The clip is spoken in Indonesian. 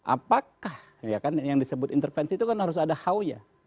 apakah ya kan yang disebut intervensi itu kan harus ada how nya